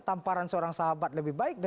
tamparan seorang sahabat lebih baik